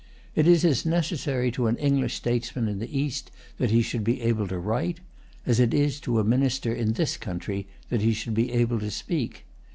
It is as necessary to an English statesman in the East that he should be able to write, as it is to a minister in this country that he should be able to speak.